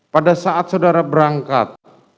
pada saat saudara berangkat